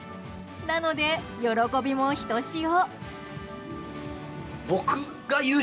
なので喜びもひとしお。